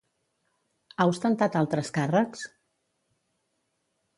Ha ostentat altres càrrecs?